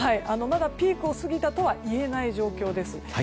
まだピークを過ぎたとは言えない状況です。